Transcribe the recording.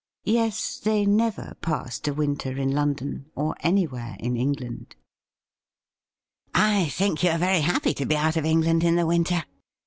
Yes, they never passed a winter in London, or anywhere in England. ' I think you are very happy to be out of England in the winter